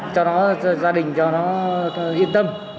cho nó gia đình cho nó yên tâm